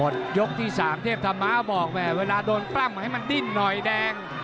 ตอนโรงเรียนยก๓เทพธัมภาพบอกว่าเวลาโดนแปล่มให้วันนี้ดิ้นหน่อยแดง